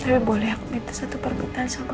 tapi boleh aku minta satu permintaan sama kamu ya